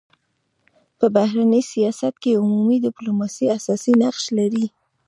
په بهرني سیاست کي عمومي ډيپلوماسي اساسي نقش لري.